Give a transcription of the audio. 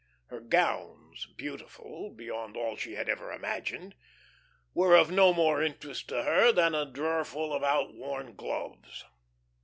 Her gowns, beautiful beyond all she had ever imagined, were of no more interest to her than a drawerful of outworn gloves.